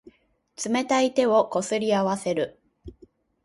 冷たい手をこすり合わせる。